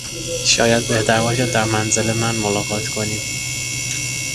شاید بهتر باشد در منزل من ملاقات کنیم.